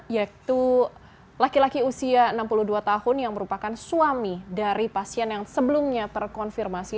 yaitu laki laki usia enam puluh dua tahun yang merupakan suami dari pasien yang sebelumnya terkonfirmasi